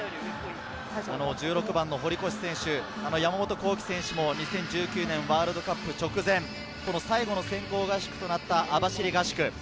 １６番の堀越選手、山本幸輝選手も２０１９年ワールドカップ直前、最後の選考合宿となった網走合宿。